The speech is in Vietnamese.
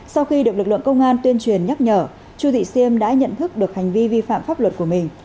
sau khi được lực lượng công an tuyên truyền nhắc nhở chu thị siêm đã nhận thức được hành vi vi phạm pháp luật của mình